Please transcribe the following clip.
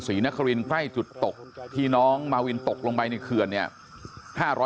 สรีนครินใกล้จุดตกพี่น้องมาวินตกลงไปในเคือนเนี่ย๕๐๐เมตร